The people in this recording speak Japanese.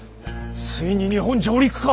ついに日本上陸か！